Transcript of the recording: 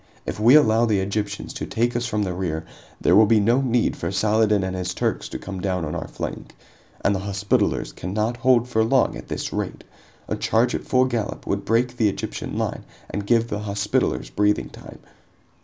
If we allow the Egyptians to take us from the rear, there will be no need for Saladin and his Turks to come down on our flank. And the Hospitallers cannot hold for long at this rate. A charge at full gallop would break the Egyptian line and give the Hospitallers breathing time.